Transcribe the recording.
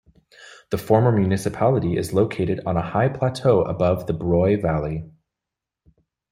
The former municipality is located on a high plateau above the Broye valley.